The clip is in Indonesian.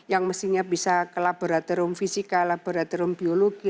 yang mestinya bisa ke laboratorium fisika laboratorium biologi